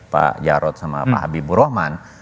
pak jarod sama pak habibur rahman